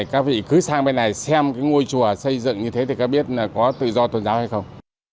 các vị cứ sang bên này xem cái ngôi chùa xây dựng như thế thì các biết là có tự do tôn giáo hay không